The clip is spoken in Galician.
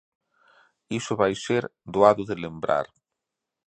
Iso vai ser doado de lembrar.